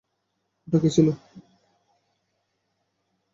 ওটা কে ছিল?